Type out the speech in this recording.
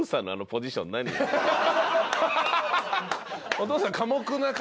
お父さん。